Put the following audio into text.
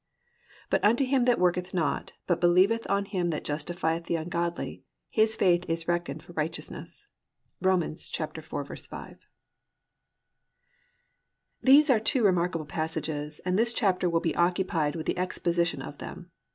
"But to him that worketh not, but believeth on him that justifieth the ungodly, his faith is reckoned for righteousness."—Rom. 4:5. These are two remarkable passages and this chapter will be occupied with an exposition of them.